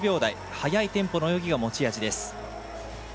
速いテンポの泳ぎが持ち味です。